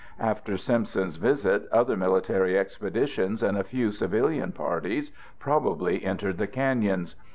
After Simpson's visit, other military expeditions and a few civilian parties probably entered the canyons.